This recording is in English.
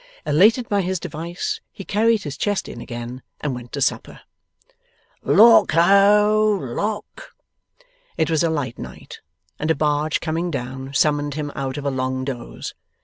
Elated by his device, he carried his chest in again and went to supper. 'Lock ho! Lock!' It was a light night, and a barge coming down summoned him out of a long doze.